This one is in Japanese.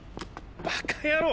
バカ野郎